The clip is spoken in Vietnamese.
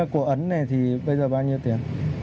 của ấn này thì bây giờ bao nhiêu tiền